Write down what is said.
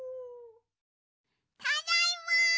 ただいま！